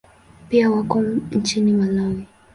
Pia wako nchini Malawi.